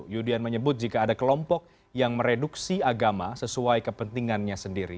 yudian menyebut jika ada kelompok yang mereduksi agama sesuai kepentingannya sendiri